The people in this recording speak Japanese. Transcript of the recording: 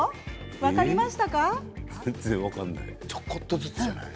分かりましたか？